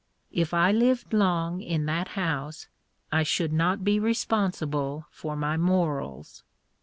If I lived long in that house I should not be responsible for my morals.